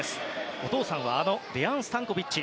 お父さんはあのデヤン・スタンコビッチ。